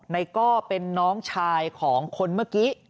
ก็เป็นน้องชายของคนเมื่อกี้